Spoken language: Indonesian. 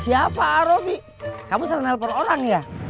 siapa aaromi kamu sering nelfon orang ya